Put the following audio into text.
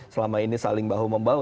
selama ini saling bahu membahu